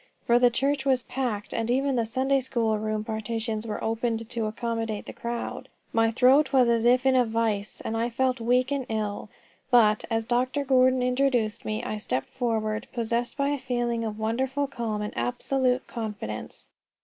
For the church was packed, and even the Sunday school room partitions were opened to accommodate the crowd. My throat was as if in a vise, and I felt weak and ill. But, as Dr. Gordon introduced me, I stepped forward possessed by a feeling of wonderful calm and absolute confidence.